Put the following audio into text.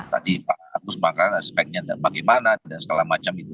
tadi pak agus mengatakan aspeknya bagaimana dan segala macam itu